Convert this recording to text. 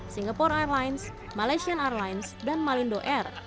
singapore airlines malaysian airlines dan malindo air